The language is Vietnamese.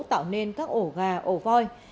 tạo nên các ổ gà ổ voi